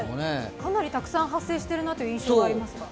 かなりたくさん発生しているなという印象がありますね。